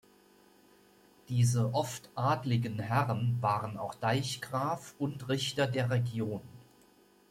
Diese oft adligen Herren waren auch Deichgraf und Richter der Region.